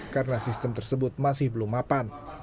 karena sistem tersebut masih belum mapan